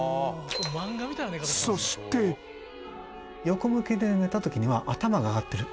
横向きで寝た時には頭が上がってる。